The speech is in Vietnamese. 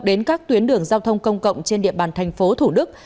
đến các tuyến đường giao thông công cộng trên địa bàn tp thủ đức